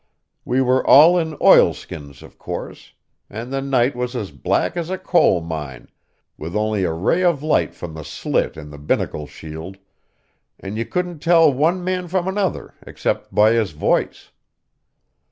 We were all in oilskins, of course, and the night was as black as a coal mine, with only a ray of light from the slit in the binnacle shield, and you couldn't tell one man from another except by his voice.